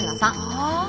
ああ。